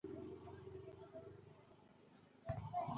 জায়গা রাখিয়েন আমার জন্য।